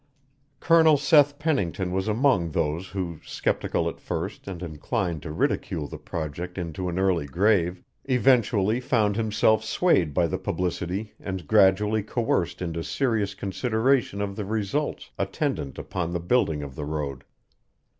Colonel Seth Pennington was among those who, skeptical at first and inclined to ridicule the project into an early grave, eventually found himself swayed by the publicity and gradually coerced into serious consideration of the results attendant upon the building of the road.